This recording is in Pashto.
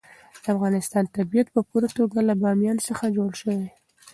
د افغانستان طبیعت په پوره توګه له بامیان څخه جوړ شوی دی.